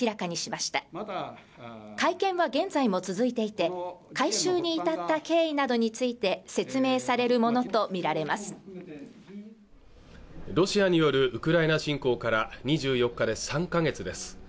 まだ会見は現在も続いていて回収に至った経緯などについて説明されるものと見られますロシアによるウクライナ侵攻から２４日で３か月です